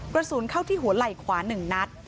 กระสุนเข้าที่หัวไหล่ขวา๑นัด